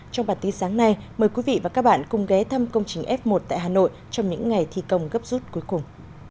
trong bản tin sáng nay mời quý vị và các bạn cùng ghé thăm công trình f một tại hà nội trong những ngày thi công gấp rút cuối cùng